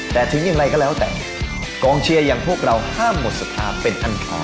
แต่ถึงอย่างไรก็แล้วแต่กองเชียร์อย่างพวกเราห้ามหมดศรัทธาเป็นอันพอ